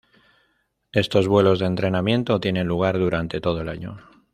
Estos vuelos de entrenamiento tienen lugar durante todo el año.